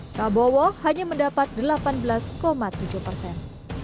prabowo hanya mendapat delapan belas tujuh persen